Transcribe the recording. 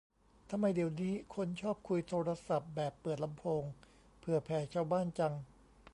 ทำไมเดี๋ยวนี้คนชอบคุยโทรศัพท์แบบเปิดลำโพงเผื่อแผ่ชาวบ้านจัง